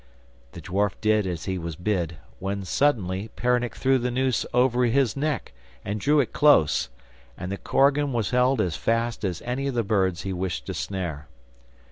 The dwarf did as he was bid, when suddenly Peronnik threw the noose over his neck and drew it close, and the korigan was held as fast as any of the birds he wished to snare.